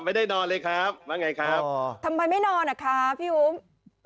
ไม่ได้นอนเลยครับว่าไงครับอ๋อทำไมไม่นอนอ่ะครับพี่อุ้ม